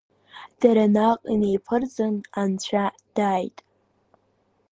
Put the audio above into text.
Дара наҟ инеиԥырҵын, анцәа дааит.